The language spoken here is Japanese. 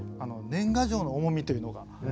年賀状の重みというのが。